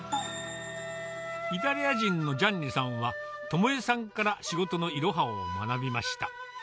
イタリア人のジャンニさんは、知枝さんから仕事のいろはを学びました。